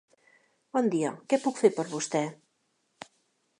Bon dia, què puc fer per vostè.